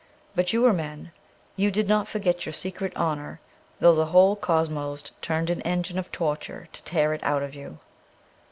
But you were men. You did not forget your secret honour, though the whole cosmos turned an engine of torture to tear it out of you.